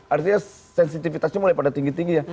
artinya sensitivitasnya mulai pada tinggi tinggi ya